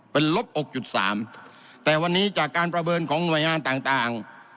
เป็นลบ๖๓แต่วันนี้จากการประเบินของหน่วยงานต่าง